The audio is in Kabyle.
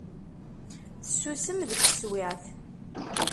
Tessusem deg teswiεt.